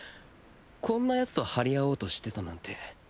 こんなヤツと張り合おうとしてたなんて。